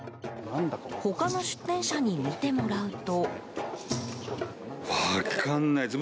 他の出店者に見てもらうと。